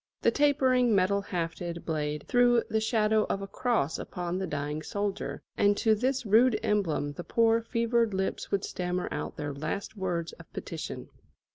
The tapering metal hafted blade threw the shadow of a cross upon the dying soldier, and to this rude emblem the poor fevered lips would stammer out their last words of petition.